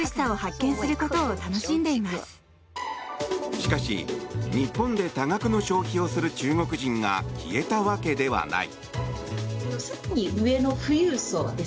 しかし、日本で多額の消費をする中国人が消えたわけではない。